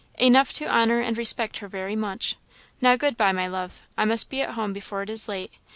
"Enough to honour and respect her very much. Now, good bye, my love; I must be at home before it is late.